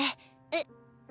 えっ？